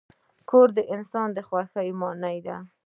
کور د انسان د خوښۍ ماڼۍ ده.